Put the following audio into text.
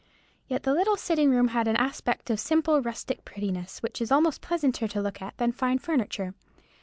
Yet the little sitting room had an aspect of simple rustic prettiness, which is almost pleasanter to look at than fine furniture.